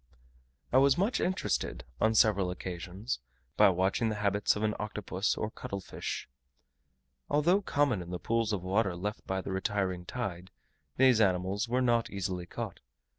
I was much interested, on several occasions, by watching the habits of an Octopus, or cuttle fish. Although common in the pools of water left by the retiring tide, these animals were not easily caught.